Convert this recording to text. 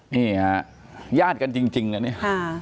นี่ฮะญาติกันจริงนะเนี่ย